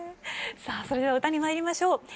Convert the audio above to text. さあそれでは歌にまいりましょう。